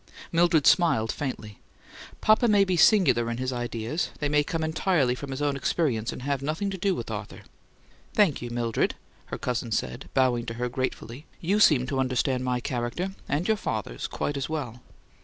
Mildred smiled faintly. "Papa may be singular in his ideas; they may come entirely from his own experience, and have nothing to do with Arthur." "Thank you, Mildred," her cousin said, bowing to her gratefully. "You seem to understand my character and your father's quite as well!"